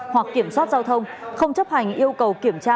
hoặc kiểm soát giao thông không chấp hành yêu cầu kiểm tra